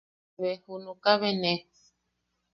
Ta ke be junuka be ne.